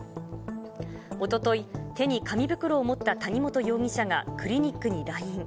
おととい、手に紙袋を持った谷本容疑者がクリニックに来院。